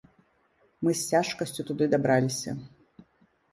Мы з цяжкасцю туды дабраліся.